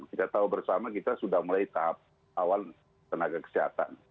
kita tahu bersama kita sudah mulai tahap awal tenaga kesehatan